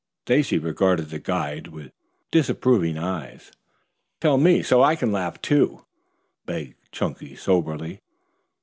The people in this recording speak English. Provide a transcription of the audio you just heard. Stacy regarded the guide with disapproving eyes. "Tell me so I can laugh too," begged Chunky soberly.